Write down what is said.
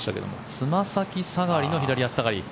つま先下がりの左足下がり。